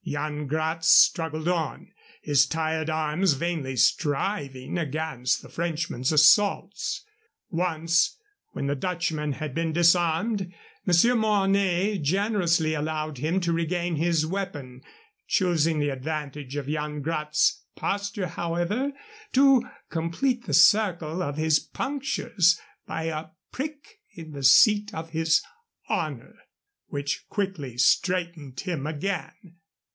Yan Gratz struggled on, his tired arms vainly striving against the Frenchman's assaults. Once, when the Dutchman had been disarmed, Monsieur Mornay generously allowed him to regain his weapon, choosing the advantage of Yan Gratz's posture, however, to complete the circle of his punctures by a prick in the seat of his honor, which quickly straightened him again.